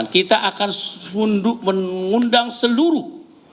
kita akan mengundang seluruh